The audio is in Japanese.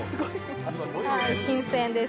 新鮮です。